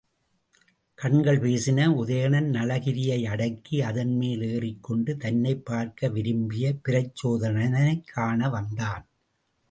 கண்கள் பேசின உதயணன் நளகிரியை அடக்கி அதன்மேல் ஏறிக் கொண்டு தன்னைப் பார்க்க விரும்பிய பிரச்சோதனனைக் காண வந்தான்.